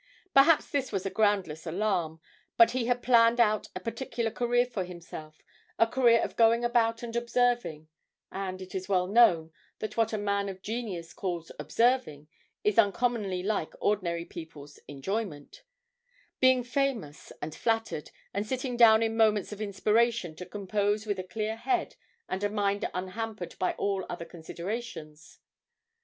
Perhaps this was a groundless alarm, but he had planned out a particular career for himself, a career of going about and observing (and it is well known that what a man of genius calls 'observing' is uncommonly like ordinary people's enjoyment), being famous and flattered, and sitting down in moments of inspiration to compose with a clear head and a mind unhampered by all other considerations.